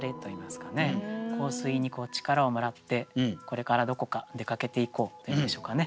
香水に力をもらってこれからどこか出かけていこうというんでしょうかね